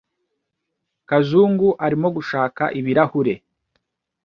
Kazungu arimo gushaka ibirahure.